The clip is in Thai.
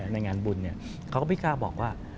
ในงานบุญเขาก็ไม่กล้าบอกว่า